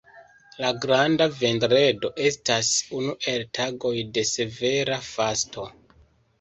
La Granda vendredo estas unu el tagoj de severa fasto.